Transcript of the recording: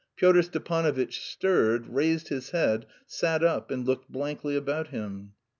Pyotr Stepanovitch stirred, raised his head, sat up, and looked blankly about him.